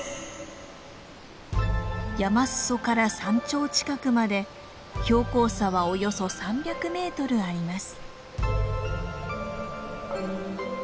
山裾から山頂近くまで標高差はおよそ３００メートルあります。